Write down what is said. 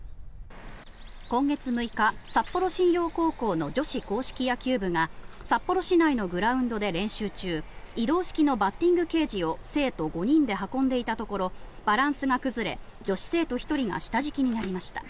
今月６日、札幌新陽高校の女子野球部が札幌市内のグラウンドで練習中移動式のバッティングケージを生徒５人で運んでいたところバランスが崩れ女子生徒１人が下敷きになりました。